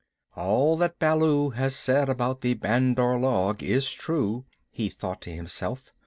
"All that Baloo has said about the Bandar log is true," he thought to himself.